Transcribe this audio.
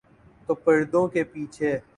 تو پردوں کے پیچھے۔